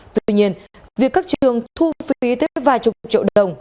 tuy nhiên việc các trường thu phí tới vài chục triệu đồng